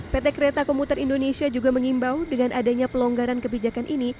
pt kereta komuter indonesia juga mengimbau dengan adanya pelonggaran kebijakan ini